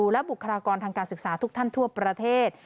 และบุคลากรทางการศึกษาทุกท่านทั่วประเทศ